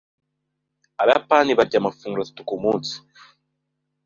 Abayapani barya amafunguro atatu kumunsi.